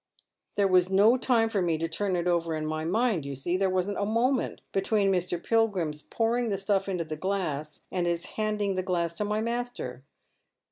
There was no time for me to turn it over in my mind, you see ; there wasn't a moment between Mr. Pilgrim's pouring the stuff into the glass and his handing the glass to my master.